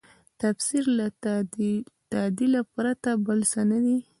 تفسیر له تعدیله پرته بل څه نه دی.